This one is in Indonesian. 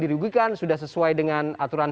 dirugikan sudah sesuai dengan aturan